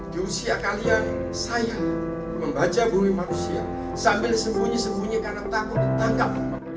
di usia kalian saya membaca bumi manusia sambil sembunyi sembunyi karena takut ditangkap